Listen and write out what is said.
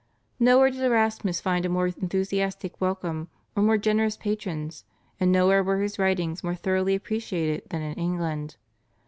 Nowhere did Erasmus find a more enthusiastic welcome or more generous patrons and nowhere were his writings more thoroughly appreciated than in England.